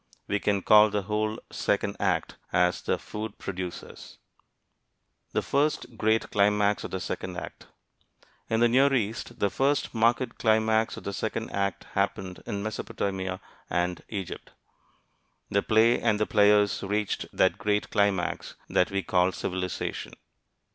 We can call the whole second act The Food Producers. THE FIRST GREAT CLIMAX OF THE SECOND ACT In the Near East, the first marked climax of the second act happened in Mesopotamia and Egypt. The play and the players reached that great climax that we call civilization.